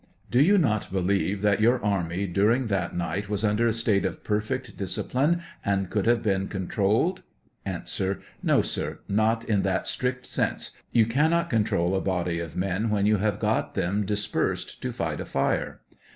Do you not believe that your army daring that night was under a state of perfect discipline and could have been controlled ? A. No, sir ; not in that strict sense ; you cannot control a body of men when you have got them dis persed to fight a fire.